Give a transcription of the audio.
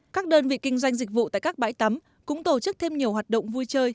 các đơn vị kinh doanh dịch vụ tại các bãi tắm cũng tổ chức thêm nhiều hoạt động vui chơi